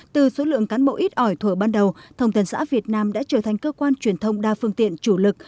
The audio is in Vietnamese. từ số lượng cán bộ ít ỏi thổ ban đầu thông tấn xã việt nam đã trở thành cơ quan truyền thông đa phương tiện chủ lực